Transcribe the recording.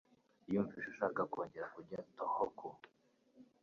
Yumvise ashaka kongera kujya Tohoku.